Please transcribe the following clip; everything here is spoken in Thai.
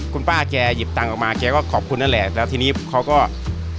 คุณป้าแกหยิบตังค์ออกมาแกก็ขอบคุณนั่นแหละแล้วทีนี้เขาก็